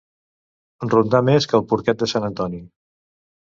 Rondar més que el porquet de Sant Antoni.